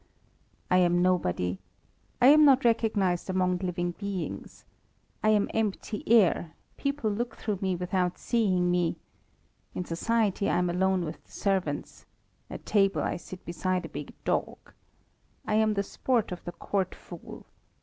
"I am nobody. I am not recognized among living beings. I am empty air; people look through me without seeing me. In society I am alone with the servants. At table I sit beside a big dog. I am the sport of the court fool.